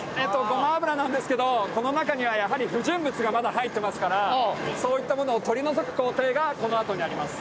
ごま油なんですけどこの中にはやはり不純物がまだ入ってますからそういったものを取り除く工程がこのあとにあります。